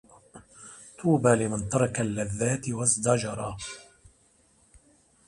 طوبى لمن ترك اللذات وازدجرا